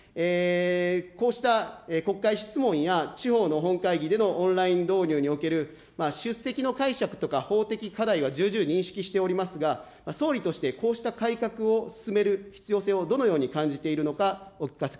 こうした国会質問や、地方の本会議でのオンライン導入における出席の解釈とか法的課題は重々認識しておりますが、総理としてこうした改革を進める必要性をどのように感じているのか、お聞かせく